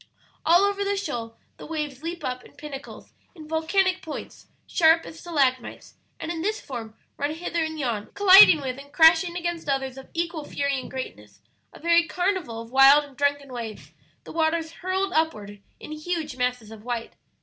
"All over the shoal the waves leap up in pinnacles, in volcanic points, sharp as stalagmites, and in this form run hither and yon in all possible directions, colliding with and crashing against others of equal fury and greatness a very carnival of wild and drunken waves; the waters hurled upward in huge masses of white.